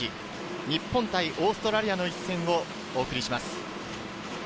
日本対オーストラリアの一戦をお送りします。